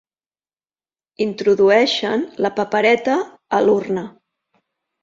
Introdueixen la papereta a l'urna.